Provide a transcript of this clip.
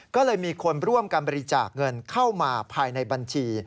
ก็เลยมีคนร่วมกันบริจาคเงินเข้ามาภายในบัญชี